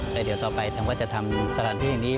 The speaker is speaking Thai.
แต่เดี๋ยวต่อไปทางก็จะทำสถานที่แห่งนี้